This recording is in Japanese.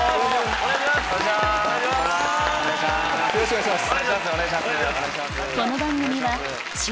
お願いします。